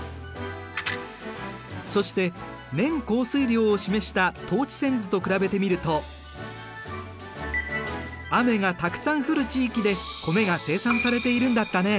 そして年降水量を示した等値線図と比べてみると雨がたくさん降る地域で米が生産されているんだったね。